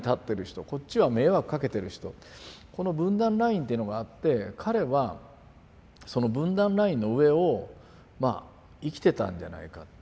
この分断ラインっていうのがあって彼はその分断ラインの上をまあ生きてたんじゃないか。